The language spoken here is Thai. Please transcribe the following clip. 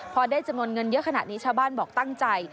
พอได้จำนวนเงินเยอะขนาดนี้ชาวบ้านบอกตั้งใจ